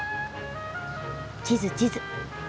地図地図。